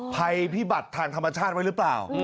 ภัยพิบัติทางธรรมชาติไว้หรือเปล่า